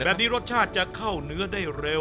รสชาติจะเข้าเนื้อได้เร็ว